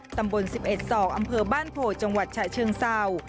ตำบล๑๑ศอกอำเภอบ้านโพจังหวัดฉะเชิงเศร้า